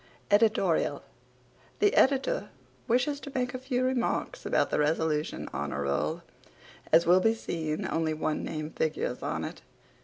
EDITORIAL The editor wishes to make a few remarks about the Resolution Honour Roll. As will be seen, only one name figures on it.